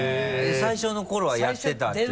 最初の頃はやってたっていう。